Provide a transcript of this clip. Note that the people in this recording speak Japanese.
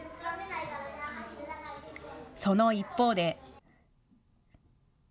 その一方で。